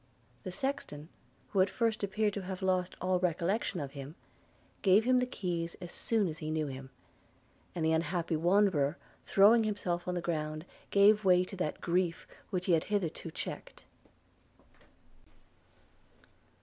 The sexton, who at first appeared to have lost all recollection of him, gave him the keys as soon as he knew him – and the unhappy wanderer, throwing himself on the ground, gave way to that grief which he had hitherto checked.